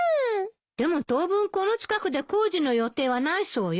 でも当分この近くで工事の予定はないそうよ。